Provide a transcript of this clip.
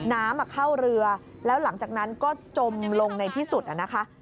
น้ำเข้าเรือแล้วหลังจากนั้นก็จมลงในที่สุดนะคะ